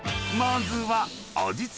［まずは］